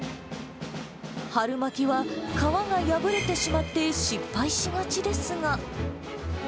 春巻きは皮が破れてしまって、失敗しがちですが。